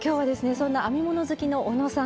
そんな編み物好きのおのさん